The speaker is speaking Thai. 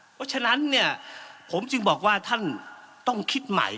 เพราะฉะนั้นเนี่ยผมจึงบอกว่าท่านต้องคิดใหม่